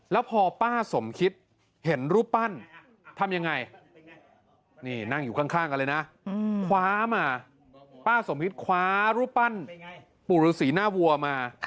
แล้วพอป้าสมคิดเห็นรูปปั้นทำยังไงนี่นั่งอยู่ข้างกันเลยนะคว้ามาป้าสมคิดคว้ารูปปั้นปู่ฤษีหน้าวัวมา